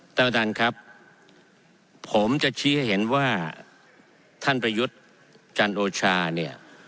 ท่านประธานครับผมจะชี้ให้เห็นว่าท่านประยุทธ์จันโอชาเนี่ย